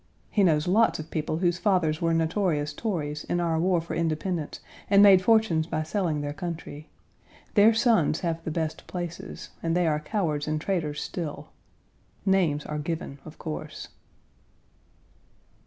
He knows lots of people whose fathers were notorious Tories in our war for independence and made fortunes by selling their country. Their sons have the best places, and they are cowards and traitors still. Names are given, of course.